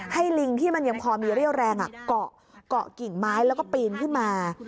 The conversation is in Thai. ลิงที่มันยังพอมีเรี่ยวแรงเกาะเกาะกิ่งไม้แล้วก็ปีนขึ้นมา